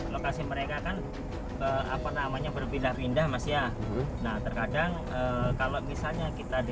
lokasi mereka kan apa namanya berpindah pindah mas ya nah terkadang kalau misalnya kita di